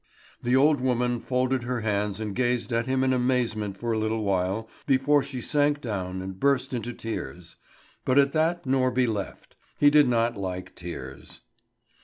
The old woman folded her hands and gazed at him in amazement for a little while, before she sank down and burst into tears. But at that Norby left; he did not like tears.